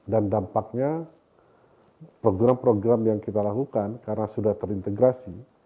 dan dampaknya program program yang kita lakukan karena sudah terintegrasi